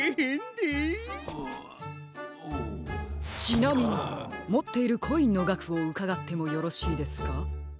ちなみにもっているコインのがくをうかがってもよろしいですか？